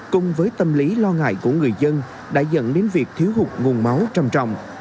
cùng với tâm lý lo ngại của người dân đã dẫn đến việc thiếu hụt nguồn máu trầm trọng